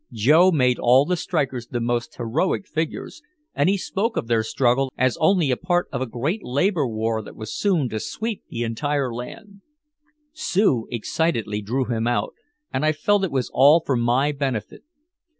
Joe made all the strikers the most heroic figures, and he spoke of their struggle as only a part of a great labor war that was soon to sweep the entire land. Sue excitedly drew him out, and I felt it was all for my benefit.